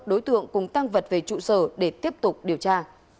đối tượng cùng tăng vật về trụ sở để tiếp tục điều tra